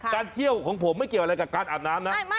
เที่ยวของผมไม่เกี่ยวอะไรกับการอาบน้ำนะ